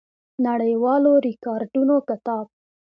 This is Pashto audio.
نړیوالو ریکارډونو کتاب